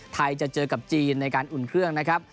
จะเจอกับจีนในการอุ่นเครื่องนะครับ